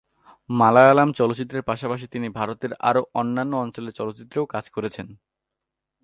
মালায়ালাম চলচ্চিত্রের পাশাপাশি তিনি ভারতের আরও অন্যান্য অঞ্চলের চলচ্চিত্রেও কাজ করেছেন।